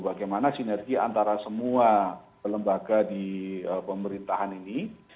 bagaimana sinergi antara semua lembaga di pemerintahan ini